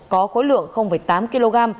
có khối lượng tám kg